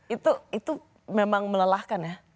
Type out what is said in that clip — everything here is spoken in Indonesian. itu memang melelahkan ya